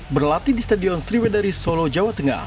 berlatih di stadion sriwedari solo jawa tengah